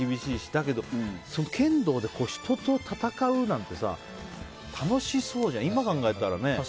だけど剣道で人と戦うなんて楽しそうじゃん、今考えたらね。